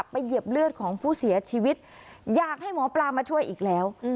เหยียบเลือดของผู้เสียชีวิตอยากให้หมอปลามาช่วยอีกแล้ว